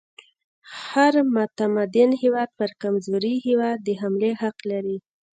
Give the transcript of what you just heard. هر متمدن هیواد پر کمزوري هیواد د حملې حق لري.